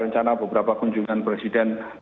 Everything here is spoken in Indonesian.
rencana beberapa kunjungan presiden